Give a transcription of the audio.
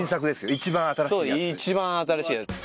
一番新しいやつです